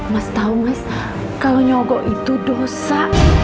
mas tahu mas kalau nyogok itu dosa